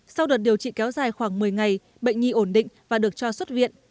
sau đợt điều trị kéo dài khoảng một mươi ngày bệnh nhi ổn định và được cho xuất viện